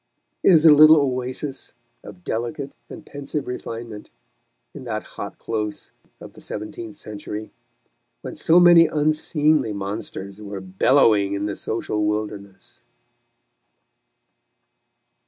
It is a little oasis of delicate and pensive refinement in that hot close of the seventeenth century, when so many unseemly monsters were bellowing in the social wilderness.